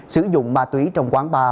sử dụng ma túy trong quán bar